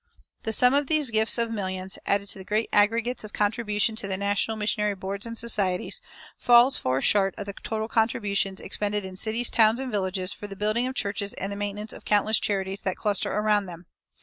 The sum of these gifts of millions, added to the great aggregates of contribution to the national missionary boards and societies, falls far short of the total contributions expended in cities, towns, and villages for the building of churches and the maintenance of the countless charities that cluster around them.